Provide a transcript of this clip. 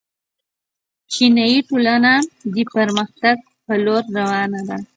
چینايي ټولنه د پرمختګ په لور روانه ده.